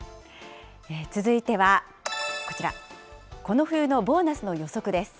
続いては、こちら、この冬のボーナスの予測です。